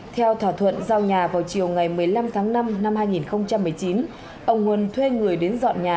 theo thỏa thuận giao nhà vào chiều ngày một mươi năm tháng năm năm hai nghìn một mươi chín ông huân thuê người đến dọn nhà